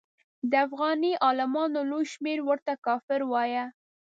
د افغاني عالمانو لوی شمېر ورته کافر وایه.